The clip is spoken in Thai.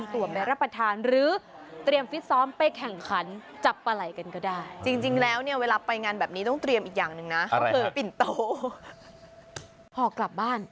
กลับบ้านซื้อหรือว่าขอหรือยังไงคะ